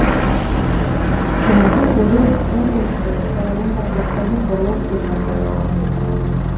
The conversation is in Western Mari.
Шемагур кожер тӓйӹлӹштӹ сыра ямдар пробка юк бырлопке шакташ тӹнгӓлеш.